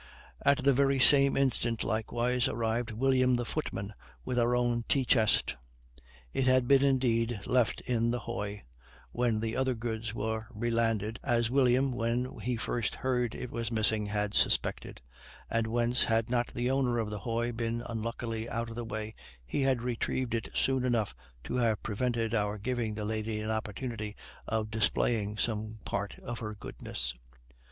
At the very same instant likewise arrived William the footman with our own tea chest. It had been, indeed, left in the hoy, when the other goods were re landed, as William, when he first heard it was missing, had suspected; and whence, had not the owner of the hoy been unluckily out of the way, he had retrieved it soon enough to have prevented our giving the lady an opportunity of displaying some part of her goodness.